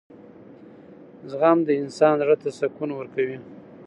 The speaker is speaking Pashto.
• زغم د انسان زړۀ ته سکون ورکوي.